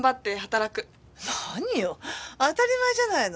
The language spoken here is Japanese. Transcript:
何よ当たり前じゃないの。